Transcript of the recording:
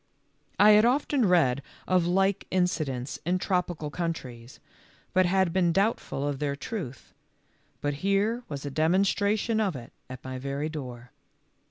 I had often read of like incidents in tropical countries, but had been doubtful of their truth, but here was a demonstration of it at my very door.